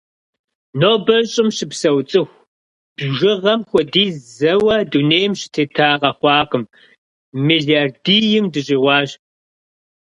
Нобэ Щӏым щыпсэу цӏыху бжыгъэм хуэдиз зэуэ дунейм щытета къэхъуакъым – мелардийм дыщӏигъуащ.